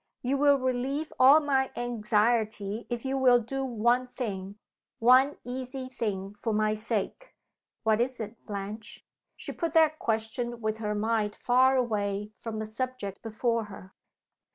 You will relieve all my anxiety, if you will do one thing one easy thing for my sake." "What is it, Blanche?" She put that question with her mind far away from the subject before her.